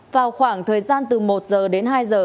vào khoảng thời gian từ một giờ đến hai giờ